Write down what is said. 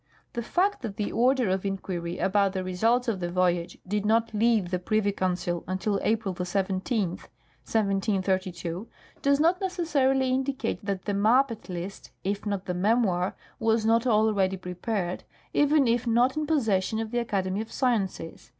The fact that the order of inquiry about the results of the voyage did not leave the privy council until April 17, 1732, does not necessarily indicate that the map at least, if not the memoir, Avas not alread}^ prepared, even if not in possession of the Academy of Sciences.